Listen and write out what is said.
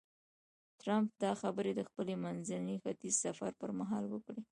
ټرمپ دا خبرې د خپل منځني ختیځ سفر پر مهال وکړې.